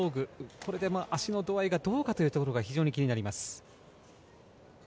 これで足の度合いがどうかというところが非常に気になります。